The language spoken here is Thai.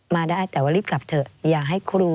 มาได้แต่ว่ารีบกลับเถอะอย่าให้ครู